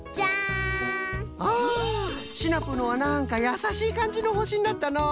あシナプーのはなんかやさしいかんじのほしになったのう。